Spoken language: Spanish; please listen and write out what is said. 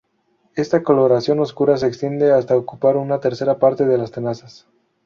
Esta coloración oscura se extiende hasta ocupar una tercera parte de las tenazas.